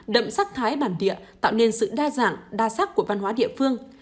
đậm sắc thái bản địa tạo nên sự đa dạng đa sắc của văn hóa địa phương